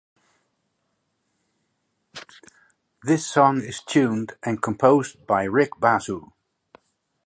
This song is tuned and composed by Rik Basu.